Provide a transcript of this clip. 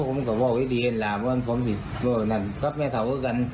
ผมก็บอกไอ้เดียนล่ะว่าผมก็นั่งกับแม่เถ้ากัน